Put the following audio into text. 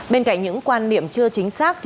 bên cạnh những quan niệm chưa chính xác